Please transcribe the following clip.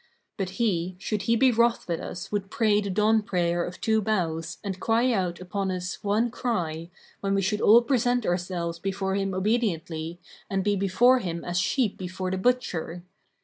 But he, should he be wroth with us would pray the dawn prayer of two bows and cry out upon us one cry, when we should all present ourselves before him obediently and be before him as sheep before the butcher.